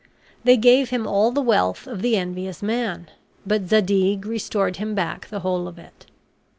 They gave him all the wealth of the envious man; but Zadig restored him back the whole of it.